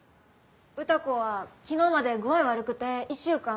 歌子は昨日まで具合悪くて１週間。